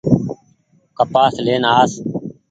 ڪپآس لين آس۔